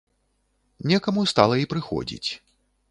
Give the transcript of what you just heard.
Некаму стала й прыходзіць.